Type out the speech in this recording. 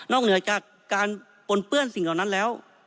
นอกเหนือการปนเปื้อนสิ่งเรานั้นแล้ว